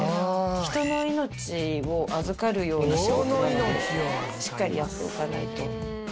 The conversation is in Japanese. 人の命を預かるような仕事なのでしっかりやっておかないと。